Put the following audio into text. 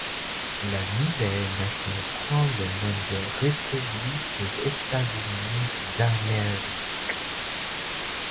La nouvelle nation prend le nom de République des États-Unis d'Amérique.